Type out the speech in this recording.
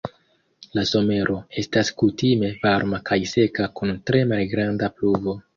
La somero estas kutime varma kaj seka kun tre malgranda pluvo.